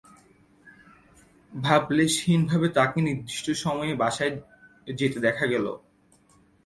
ভাবলেশহীনভাবে তাঁকে নির্দিষ্ট সময়ে বাসায় যেতে দেখা গেল।